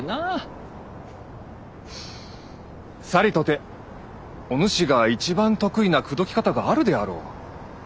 さりとておぬしが一番得意な口説き方があるであろう。